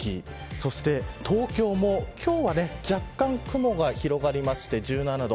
そして、東京も今日は、若干雲が広がりまして１７度。